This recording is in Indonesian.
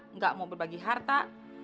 enggak mau berbagi harta